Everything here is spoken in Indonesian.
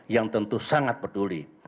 yang tentu sangat peduli